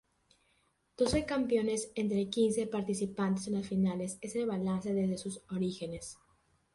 Doce campeones entre quince participantes en las finales es el balance desde sus orígenes.